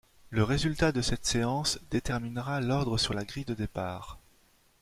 Le résultat de cette séance déterminera l'ordre sur la grille de départ.